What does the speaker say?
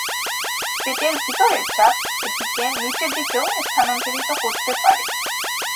পেটের ভিতরের চাপ এটিকে নিচের দিকেও স্থানান্তরিত করতে পারে।